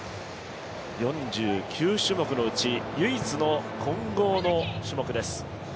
４９種目のうち唯一の混合の種目です。